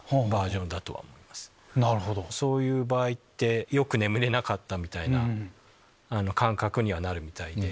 そういう場合ってよく眠れなかったみたいな感覚にはなるみたいで。